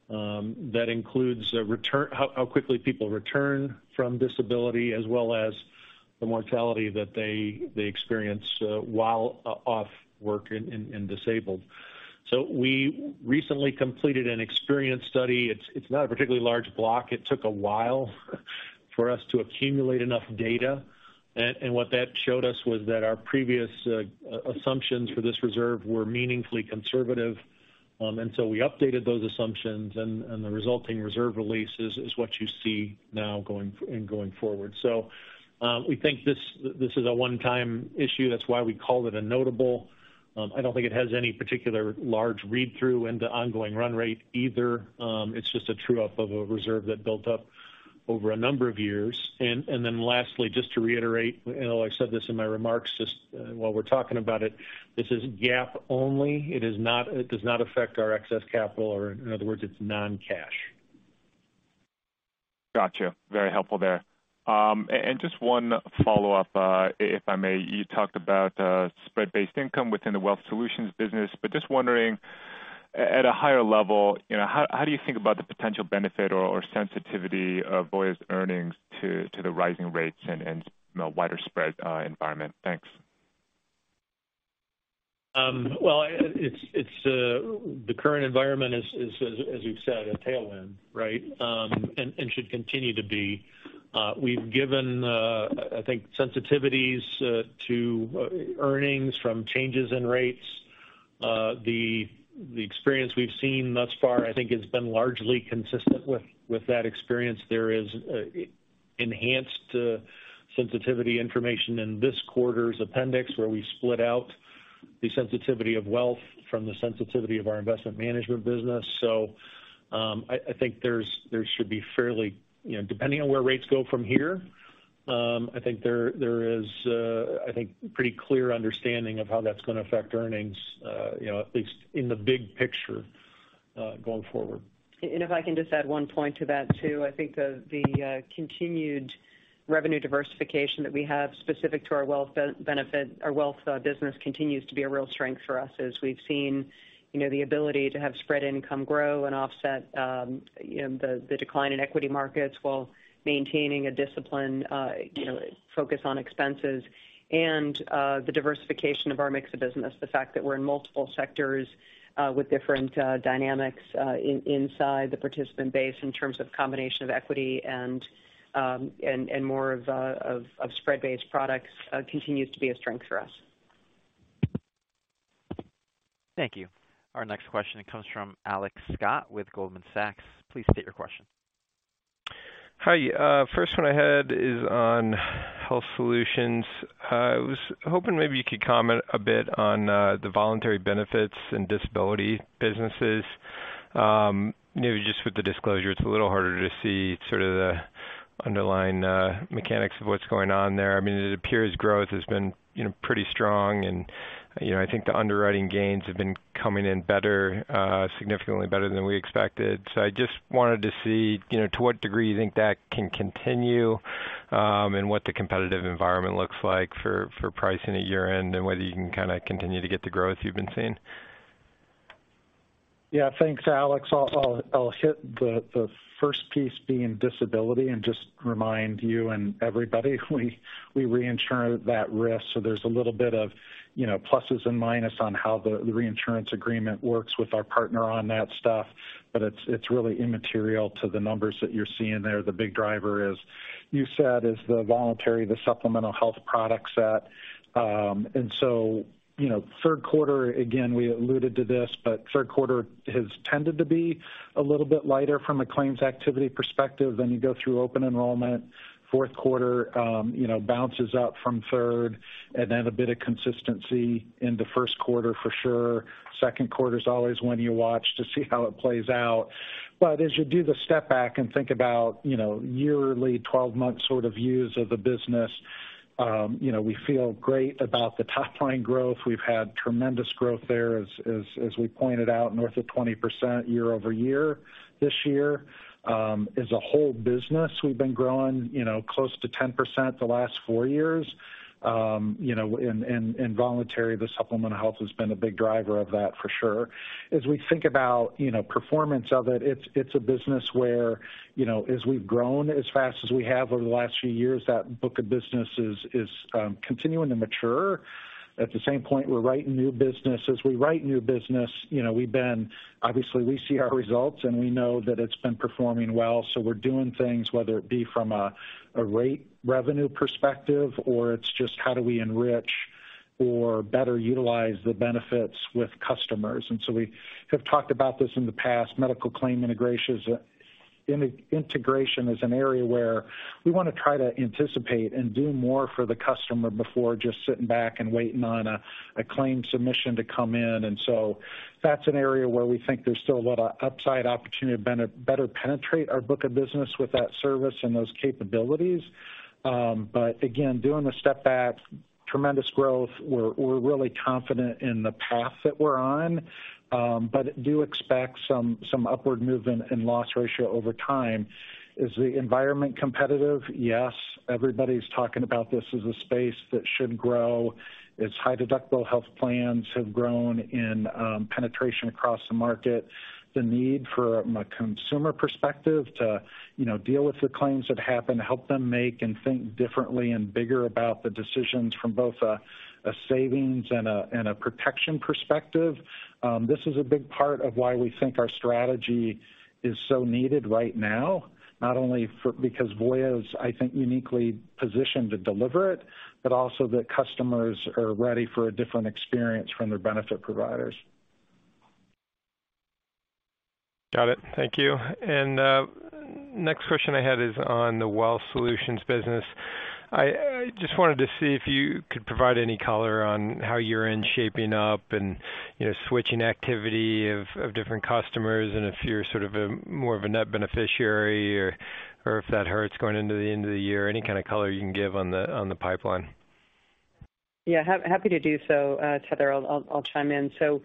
that includes how quickly people return from disability as well as the mortality that they experience while off work and disabled. We recently completed an experience study. It's not a particularly large block. It took a while for us to accumulate enough data. What that showed us was that our previous assumptions for this reserve were meaningfully conservative. We updated those assumptions and the resulting reserve release is what you see now going forward. We think this is a one-time issue. That's why we called it a notable. I don't think it has any particular large read-through into ongoing run rate either. It's just a true up of a reserve that built up over a number of years. Then lastly, just to reiterate, I know I said this in my remarks, just while we're talking about it, this is GAAP only. It does not affect our excess capital or in other words, it's non-cash. Gotcha. Very helpful there. Just one follow-up, if I may. You talked about spread-based income within the Wealth Solutions business, but just wondering at a higher level, you know, how do you think about the potential benefit or sensitivity of Voya's earnings to the rising rates and, you know, wider spread environment? Thanks. Well, it's the current environment is, as we've said, a tailwind, right? It should continue to be. We've given, I think, sensitivities to earnings from changes in rates. The experience we've seen thus far I think has been largely consistent with that experience. There is enhanced sensitivity information in this quarter's appendix, where we split out the sensitivity of Wealth from the sensitivity of our Investment Management business. I think there should be fairly, you know, depending on where rates go from here, I think there is, I think pretty clear understanding of how that's gonna affect earnings, you know, at least in the big picture, going forward. If I can just add one point to that, too. I think the continued revenue diversification that we have specific to our wealth business continues to be a real strength for us as we've seen, you know, the ability to have spread income grow and offset, you know, the decline in equity markets while maintaining a disciplined you know focus on expenses and the diversification of our mix of business. The fact that we're in multiple sectors with different dynamics inside the participant base in terms of combination of equity and more of spread-based products continues to be a strength for us. Thank you. Our next question comes from Alex Scott with Goldman Sachs. Please state your question. Hi. First one I had is on Health Solutions. I was hoping maybe you could comment a bit on the voluntary benefits and disability businesses. Maybe just with the disclosure, it's a little harder to see sort of the underlying mechanics of what's going on there. I mean, it appears growth has been, you know, pretty strong, and, you know, I think the underwriting gains have been coming in better significantly better than we expected. I just wanted to see, you know, to what degree you think that can continue, and what the competitive environment looks like for pricing at year-end, and whether you can kind of continue to get the growth you've been seeing. Yeah. Thanks, Alex. I'll hit the first piece being disability and just remind you and everybody, we reinsure that risk, so there's a little bit of, you know, pluses and minuses on how the reinsurance agreement works with our partner on that stuff, but it's really immaterial to the numbers that you're seeing there. The big driver is, you said, is the voluntary, the supplemental health product set. You know, third quarter, again, we alluded to this, but third quarter has tended to be a little bit lighter from a claims activity perspective. Then you go through open enrollment, fourth quarter, you know, bounces out from third, and then a bit of consistency in the first quarter for sure. Second quarter is always one you watch to see how it plays out. As you do the step back and think about, you know, yearly 12-month sort of views of the business, you know, we feel great about the top line growth. We've had tremendous growth there, as we pointed out, north of 20% year over year. This year, as a whole business, we've been growing, you know, close to 10% the last four years. You know, in voluntary, the supplemental health has been a big driver of that for sure. As we think about, you know, performance of it's a business where, you know, as we've grown as fast as we have over the last few years, that book of business is continuing to mature. At the same point, we're writing new business. As we write new business, you know, we've been obviously, we see our results, and we know that it's been performing well, so we're doing things, whether it be from a rate revenue perspective or it's just how do we enrich or better utilize the benefits with customers. We have talked about this in the past, medical claim integration is an area where we wanna try to anticipate and do more for the customer before just sitting back and waiting on a claim submission to come in. That's an area where we think there's still a lot of upside opportunity to better penetrate our book of business with that service and those capabilities. But again, doing the step back, tremendous growth. We're really confident in the path that we're on, but do expect some upward movement in loss ratio over time. Is the environment competitive? Yes. Everybody's talking about this as a space that should grow. As high deductible health plans have grown in penetration across the market, the need from a consumer perspective to, you know, deal with the claims that happen, help them make and think differently and bigger about the decisions from both a savings and a protection perspective, this is a big part of why we think our strategy is so needed right now, not only because Voya is, I think, uniquely positioned to deliver it, but also the customers are ready for a different experience from their benefit providers. Got it. Thank you. Next question I had is on the Wealth Solutions business. I just wanted to see if you could provide any color on how you're shaping up and, you know, switching activity of different customers and if you're sort of more of a net beneficiary or if that hurts going into the end of the year, any kind of color you can give on the pipeline. Yeah. Happy to do so. Heather, I'll chime in. As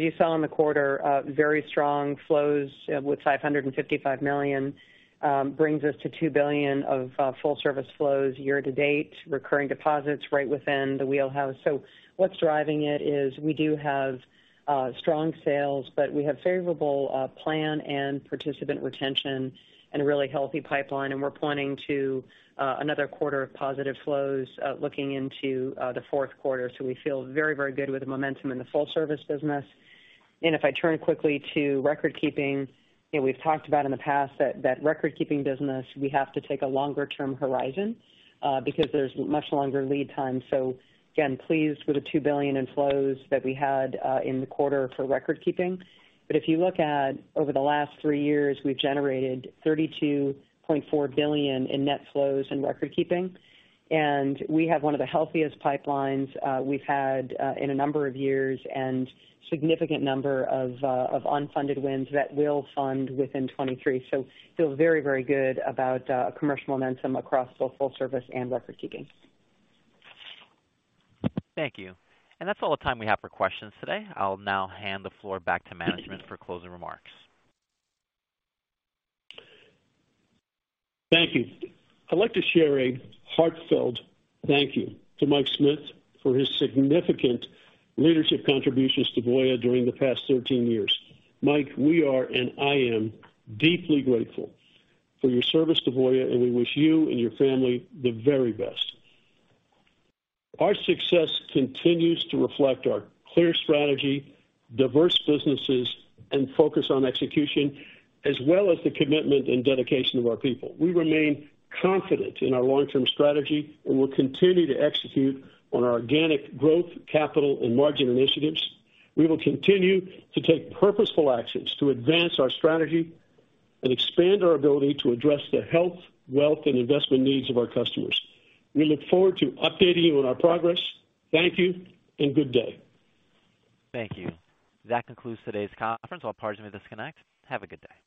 you saw in the quarter, very strong flows with $555 million, brings us to $2 billion of full service flows year to date, recurring deposits right within the wheelhouse. What's driving it is we do have strong sales, but we have favorable plan and participant retention and a really healthy pipeline, and we're pointing to another quarter of positive flows looking into the fourth quarter. We feel very, very good with the momentum in the full service business. If I turn quickly to recordkeeping, you know, we've talked about in the past that recordkeeping business, we have to take a longer term horizon because there's much longer lead time. Again, pleased with the $2 billion in flows that we had in the quarter for recordkeeping. If you look at over the last three years, we've generated $32.4 billion in net flows in recordkeeping. We have one of the healthiest pipelines we've had in a number of years and significant number of of unfunded wins that will fund within 2023. Feel very, very good about commercial momentum across both full service and recordkeeping. Thank you. That's all the time we have for questions today. I'll now hand the floor back to management for closing remarks. Thank you. I'd like to share a heartfelt thank you to Mike Smith for his significant leadership contributions to Voya during the past 13 years. Mike, we are, and I am deeply grateful for your service to Voya, and we wish you and your family the very best. Our success continues to reflect our clear strategy, diverse businesses, and focus on execution, as well as the commitment and dedication of our people. We remain confident in our long-term strategy and will continue to execute on our organic growth, capital, and margin initiatives. We will continue to take purposeful actions to advance our strategy and expand our ability to address the health, wealth, and investment needs of our customers. We look forward to updating you on our progress. Thank you and good day. Thank you. That concludes today's conference. All parties may disconnect. Have a good day.